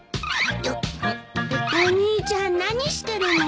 お兄ちゃん何してるの？